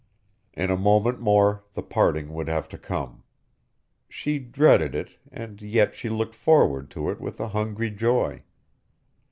In a moment more the parting would have to come. She dreaded it, and yet she looked forward to it with a hungry joy.